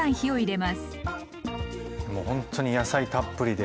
もうほんとに野菜たっぷりで。